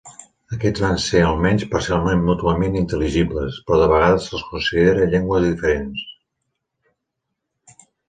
Aquests van ser, almenys parcialment mútuament intel·ligibles, però de vegades se'ls considera llengües diferents.